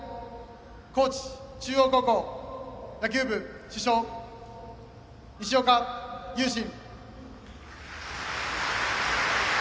高知中央高校野球部主将西岡悠慎。